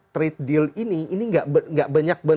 trade deal ini ini gak banyak